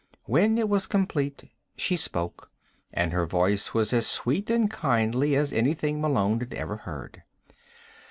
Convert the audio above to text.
When it was complete she spoke, and her voice was as sweet and kindly as anything Malone had ever heard.